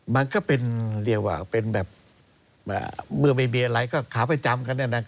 มันก็เป็นเรียกว่าเป็นแบบเมื่อไม่มีอะไรก็ขาประจำกัน